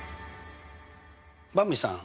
ばんびさん